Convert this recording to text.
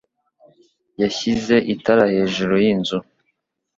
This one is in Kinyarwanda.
Yashyize itara hejuru yinzu.